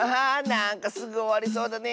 なんかすぐおわりそうだね